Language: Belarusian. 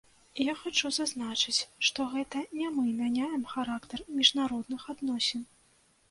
Я хачу зазначыць, што гэта не мы мяняем характар міжнародных адносін.